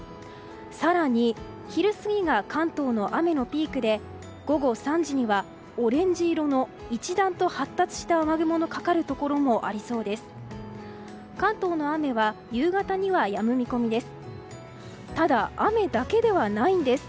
更に昼過ぎが関東の雨のピークで午後３時にはオレンジ色の一段と発達した雨雲のかかるところもありそうです。